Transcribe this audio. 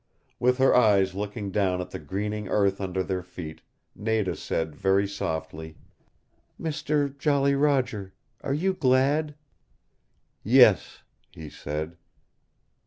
With her eyes looking down at the greening earth under their feet, Nada said, very softly, "Mister Jolly Roger are you glad?" "Yes," he said.